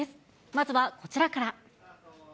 まずはこちらから。